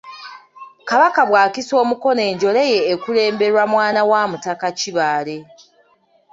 Kabaka bw’akisa omukono enjole ye ekulemberwa mwana wa Mutaka Kibaale.